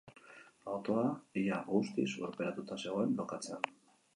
Autoa ia guztiz urperatuta zegoen lokatzean.